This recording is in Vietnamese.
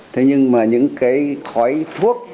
thế nhưng mà những cái khói thuốc